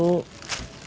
lagian nggak sampai